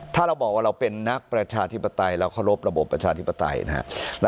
ถ้าเราบอกว่าเราเป็นนักประชาธิปไตยเราเคารพระบบประชาธิปไตยนะครับ